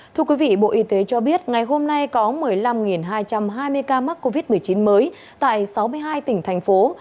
thưa quý vị bộ y tế cho biết ngày hôm nay có một mươi năm hai trăm hai mươi ca mắc covid một mươi chín mới tại sáu mươi hai tỉnh thành phố